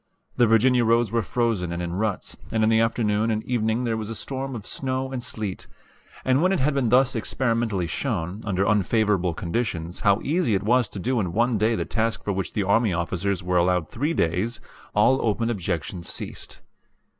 The Virginia roads were frozen and in ruts, and in the afternoon and evening there was a storm of snow and sleet; and when it had been thus experimentally shown, under unfavorable conditions, how easy it was to do in one day the task for which the army officers were allowed three days, all open objection ceased.